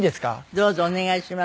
どうぞお願いします。